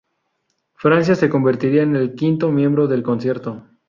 Francia se convertiría en el quinto miembro del concierto.